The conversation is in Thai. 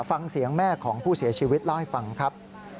ฟังเสียงแม่ของผู้เสียชีวิตเล่าให้ฟังครับ